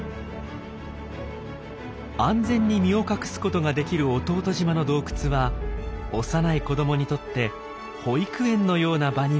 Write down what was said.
安全に身を隠すことができる弟島の洞窟は幼い子どもにとって保育園のような場になっている。